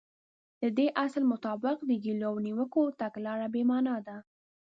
د دې اصل مطابق د ګيلو او نيوکو تګلاره بې معنا ده.